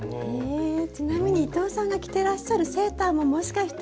ちなみに伊藤さんが着ていらっしゃるセーターももしかして。